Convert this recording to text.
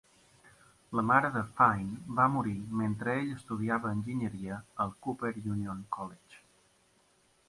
La mare de Fine va morir mentre ell estudiava enginyeria al Cooper Union College.